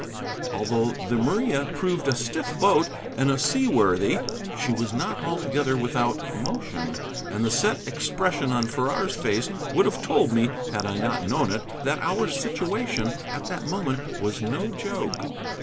Although the Maria proved a stiff boat and a seaworthy, she was not altogether without motion; and the set expression on Farrar's face would have told me, had I not known it, that our situation at that moment was no joke.